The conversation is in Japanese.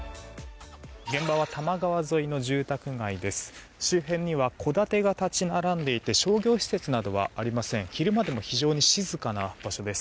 現場は多摩川沿いの住宅街です。